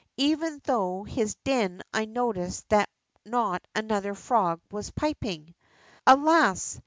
Even through his din I noticed that not another frog was piping. Alas